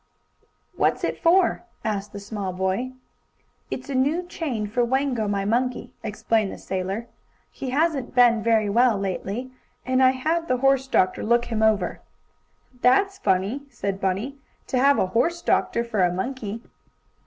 "What's it for?" asked the small boy. "It's a new chain for Wango, my monkey," explained the sailor. "He hasn't been very well, lately, and I had the horse doctor look him over." "That's funny," said Bunny. "To have a horse doctor for a monkey."